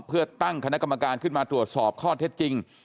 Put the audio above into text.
เพื่อตั้งคณะกรรมการขึ้นมาตรวจสอบข้อเท็จจริง